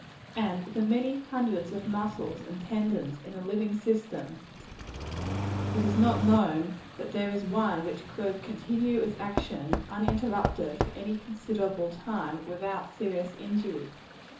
And of the many hundreds of muscles and tendons in the living system, it is not known that there is one which could continue its action, uninterruptedly, for any considerable time, without serious injury.